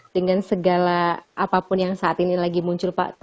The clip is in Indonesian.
dengan segala apapun yang saat ini lagi muncul pak